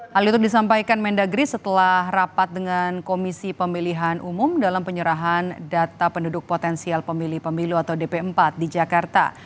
hal itu disampaikan mendagri setelah rapat dengan komisi pemilihan umum dalam penyerahan data penduduk potensial pemilih pemilu atau dp empat di jakarta